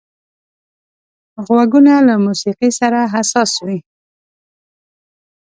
غوږونه له موسيقي سره حساس وي